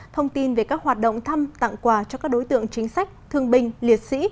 thông tin về các hoạt động thăm tặng quà cho các đối tượng chính sách thương binh liệt sĩ